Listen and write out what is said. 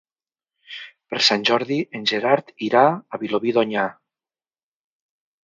Per Sant Jordi en Gerard irà a Vilobí d'Onyar.